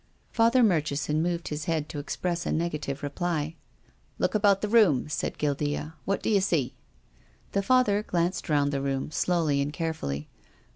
Father Murchison moved his head to express a negative reply. " Look about the room," said Guildea. " What do you see?" The Father glanced round the room, slowly and carefully.